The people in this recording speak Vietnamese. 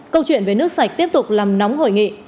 câu chuyện về nước sạch tiếp tục làm nóng hội nghị